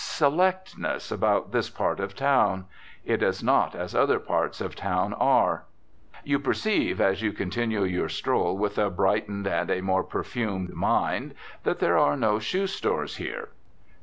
selectness, about this part of town. It is not as other parts of town are. You perceive, as you continue your stroll with a brightened and a more perfumed mind, that there are no shoe stores here.